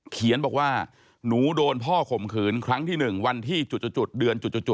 เขียนบอกว่าหนูโดนพ่อข่มขืนครั้งที่๑วันที่จุดเดือนจุด